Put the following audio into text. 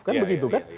kan begitu kan